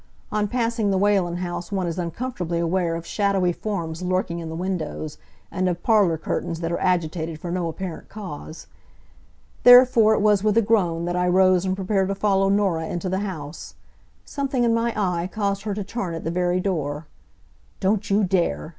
On passing the Whalen house one is uncomfortably aware of shadowy forms lurking in the windows, and of parlor curtains that are agitated for no apparent cause. Therefore it was with a groan that I rose and prepared to follow Norah into the house. Something in my eye caused her to turn at the very door. "Don't you dare!"